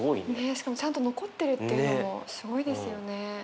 しかもちゃんと残ってるっていうのもすごいですよね。